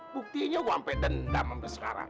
buktinya gue ampe dendam ampe sekarang